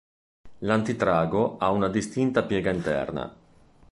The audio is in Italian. L'antitrago ha una distinta piega interna.